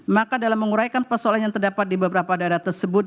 maka dalam menguraikan persoalan yang terdapat di beberapa daerah tersebut